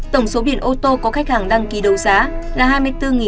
tổng số biển ô tô có khách hàng đăng ký đấu giá là hai mươi bốn sáu mươi bốn biển